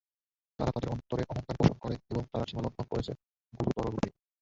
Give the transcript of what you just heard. তারা তাদের অন্তরে অহংকার পোষণ করে এবং তারা সীমালংঘন করেছে গুরুতররূপে।